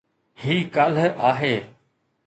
هي ڪالهه آهي.